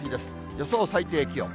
予想最低気温。